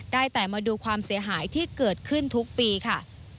ได้แต่มาดูความเสียหายที่เกิดขึ้นทุกปีค่ะ